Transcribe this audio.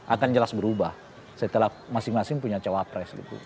akan jelas berubah setelah masing masing punya cawapres gitu